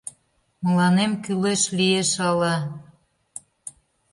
Мыланем кӱлеш лиеш ала.